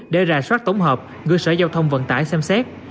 để ra soát tổng hợp gửi sở giao thông vận tải xem xét